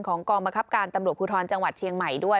กองบังคับการตำรวจภูทรจังหวัดเชียงใหม่ด้วย